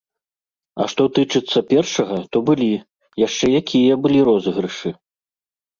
А што тычыцца першага, то былі, яшчэ якія былі розыгрышы!